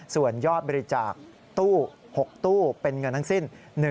ส่วนยอดบริจาคตู้๖ตู้เป็นเงินทั้งสิ้น